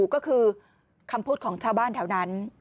ก็คือคำพูดของชาวบ้านแถวนั้น